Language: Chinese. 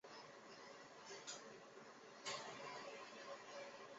原为骑在马上弹奏。